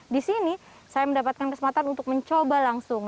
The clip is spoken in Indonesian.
di sini saya mendapatkan kesempatan untuk mencoba langsung